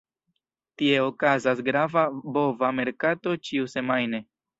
Tie okazas grava bova merkato ĉiusemajne.